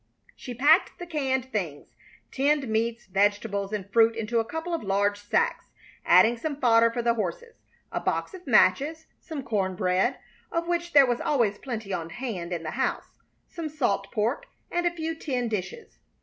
She packed the canned things, tinned meats, vegetables, and fruit into a couple of large sacks, adding some fodder for the horses, a box of matches, some corn bread, of which there was always plenty on hand in the house, some salt pork, and a few tin dishes.